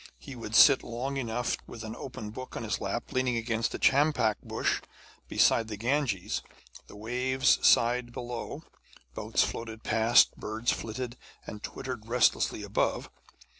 He would sit long enough with an open book on his lap, leaning against a champak bush beside the Ganges. The waves sighed below, boats floated past, birds flitted and twittered restlessly above.